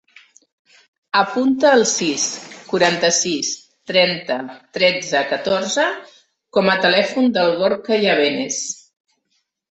Apunta el sis, quaranta-sis, trenta, tretze, catorze com a telèfon del Gorka Yebenes.